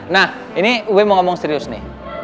nah ini gue mau ngomong serius nih